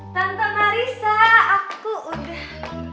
tante marissa aku udah